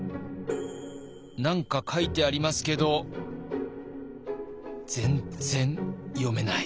何か書いてありますけど全然読めない。